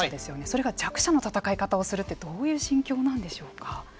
それが弱者の戦い方をするってどういう心境なんでしょうか。